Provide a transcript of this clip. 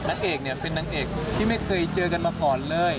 เอกเนี่ยเป็นนางเอกที่ไม่เคยเจอกันมาก่อนเลย